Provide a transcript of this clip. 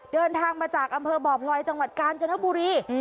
เดินทางมาจากอำเภอบ่อพลอยจังหวัดกาญจนบุรี